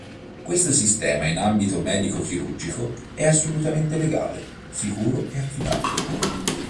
Questo sistema in ambito medico-chirurgico è assolutamente legale, sicuro e affidabile.